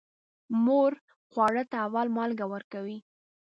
مور خواره ته اول مالګه ورکوي.